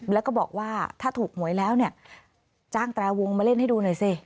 แล้วก็บอกว่าถ้าถูกหวยแล้วเนี่ยจ้างแตรวงมาเล่นให้ดูหน่อยสิ